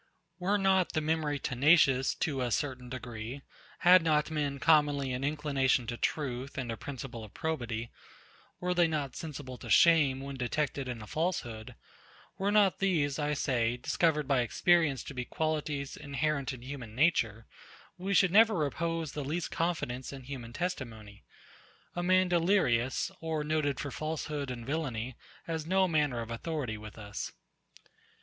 Were not the memory tenacious to a certain degree, had not men commonly an inclination to truth and a principle of probity; were they not sensible to shame, when detected in a falsehood: Were not these, I say, discovered by experience to be qualities, inherent in human nature, we should never repose the least confidence in human testimony. A man delirious, or noted for falsehood and villany, has no manner of authority with us.